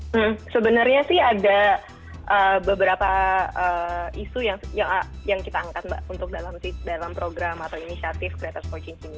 hmm sebenarnya sih ada beberapa isu yang kita angkat mbak untuk dalam program atau inisiatif creators coaching